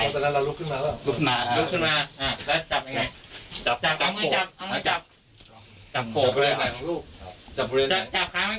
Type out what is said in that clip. กลับบูเรลไงจับในขอเด็ก